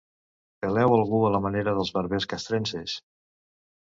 Peleu algú a la manera dels barbers castrenses.